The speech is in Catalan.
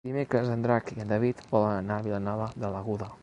Dimecres en Drac i en David volen anar a Vilanova de l'Aguda.